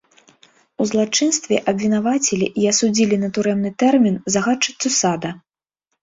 У злачынстве абвінавацілі і асудзілі на турэмны тэрмін загадчыцу сада.